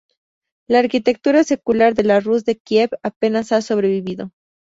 La arquitectura secular de la Rus de Kiev apenas ha sobrevivido.